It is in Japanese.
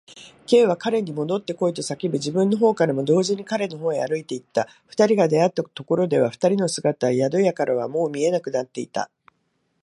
Ｋ は彼にもどってこいと叫び、自分のほうからも同時に彼のほうへ歩いていった。二人が出会ったところでは、二人の姿は宿屋からはもう見えなくなっていた。